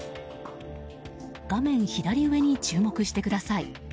画面左上に注目してください。